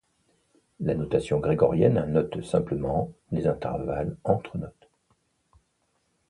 La notation grégorienne note simplement les intervalles entre notes.